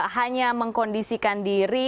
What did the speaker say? hanya mengkondisikan diri